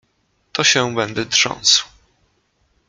— To się będę trząsł.